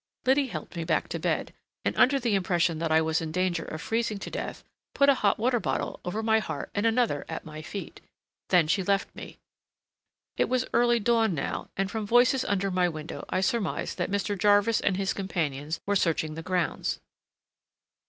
Liddy helped me back to bed, and under the impression that I was in danger of freezing to death, put a hot water bottle over my heart and another at my feet. Then she left me. It was early dawn now, and from voices under my window I surmised that Mr. Jarvis and his companions were searching the grounds.